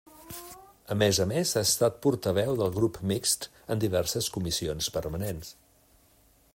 A més a més ha estat portaveu del grup mixt en diverses comissions permanents.